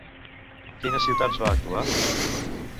A quines ciutats va actuar?